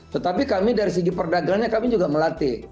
tetapi kami dari segi perdagangannya kami juga melatih